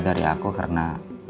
dari aku karena